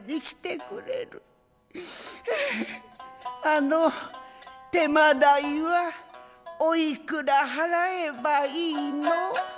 あの手間代はおいくら払えばいいの？」。